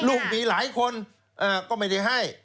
ลูกมีหลายคนก็ไม่ได้ให้